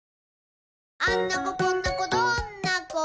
「あんな子こんな子どんな子？